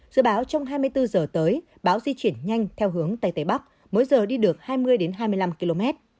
dự báo trong hai mươi bốn giờ tới bão di chuyển nhanh theo hướng tây tây bắc mỗi giờ đi được hai mươi hai mươi năm km